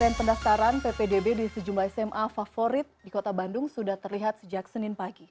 pendaftaran ppdb di sejumlah sma favorit di kota bandung sudah terlihat sejak senin pagi